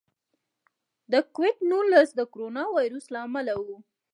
د کوویډ نولس د کورونا وایرس له امله و.